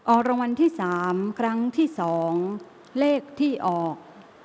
รางวัลที่๓ครั้งที่๒เลขที่ออก